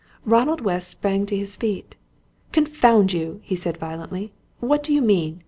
Ronald West sprang to his feet. "Confound you!" he said, violently. "What do you mean?